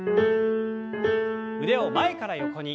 腕を前から横に。